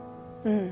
うん。